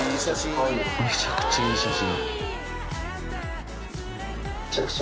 めちゃくちゃいい写真。